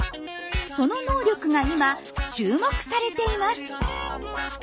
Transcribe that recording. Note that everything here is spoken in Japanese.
その能力が今注目されています。